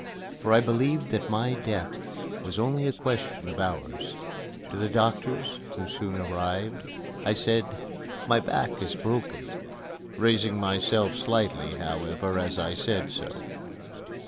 For I believed that my death was only a question of hours. To the doctors, who soon arrived, I said, "My back is broken!" raising myself slightly, however, as I said so.